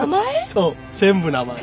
そう全部名前。